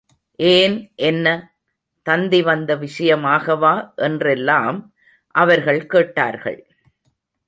ஏன் என்ன, தந்தி வந்த விஷயமாகவா என்றெல்லாம் அவர்கள் கேட்டார்கள்.